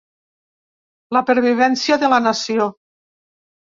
La pervivència de la nació.